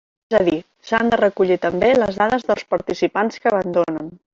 És a dir, s'han de recollir també les dades dels participants que abandonen.